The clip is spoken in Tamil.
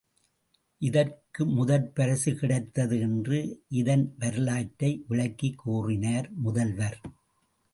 இதற்கு முதற் பரிசு கிடைத்தது என்று இதன் வரலாற்றை விளக்கிக் கூறினார் முதல்வர்.